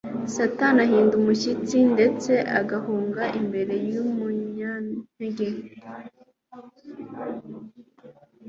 Satani ahinda umushyitsi ndetse agahunga imbere y’umunyantegenke